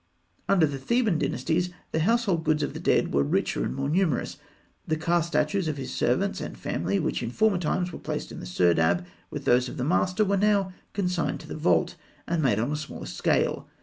Under the Theban Dynasties, the household goods of the dead were richer and more numerous. The Ka statues of his servants and family, which in former times were placed in the serdab with those of the master, were now consigned to the vault, and made on a smaller scale.